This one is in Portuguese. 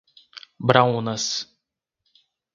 Braúnas